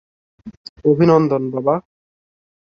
অভিনন্দন, বাবা।